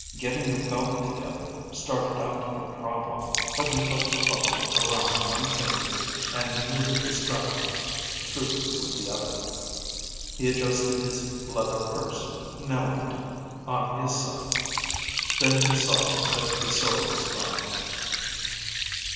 Getting the belt together started out to be a problem, but he hooked the buckle around one finger and maneuvered the strap through with the other. He adjusted his leather purse, now empty, on his side. Then he saw that the sword was gone.